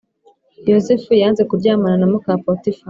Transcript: Yosefu yanze kuryamana na muka potifari